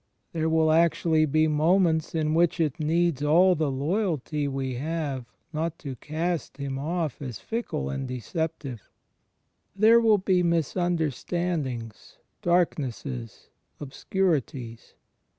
There will actually be moments in which it needs all the loyalty we have not to cast Him off as fickle and deceptive. There will be misimderstandings, dark nesses, obscurities.